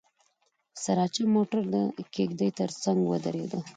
سراچه موټر د کېږدۍ تر څنګ ودرېد.